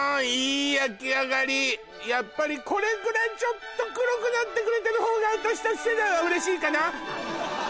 いい焼き上がりやっぱりこれぐらいちょっと黒くなってくれてる方が私達世代は嬉しいかな